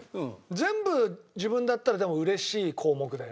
全部自分だったらでも嬉しい項目だよね。